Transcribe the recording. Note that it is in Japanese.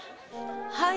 はい。